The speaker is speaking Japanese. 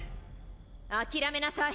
諦めなさい。